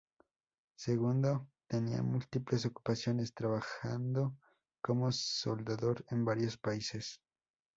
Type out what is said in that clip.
Segundo tenía múltiples ocupaciones, trabajando como soldador en varios países.